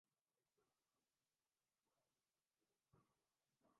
یہ کس خلش نے پھر اس دل میں آشیانہ کیا